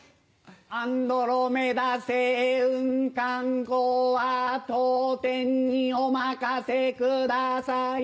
アンドロメダ星雲観光は当店にお任せください。